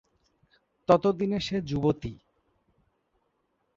ততদিনে সে যুবতী।